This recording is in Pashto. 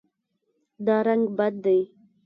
دا رنګ بد دی